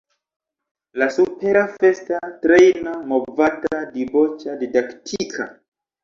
La supera festa, trejna, movada, diboĉa, didaktika